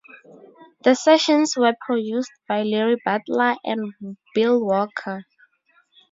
The sessions were produced by Larry Butler and Bill Walker.